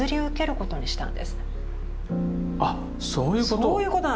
あそういうこと。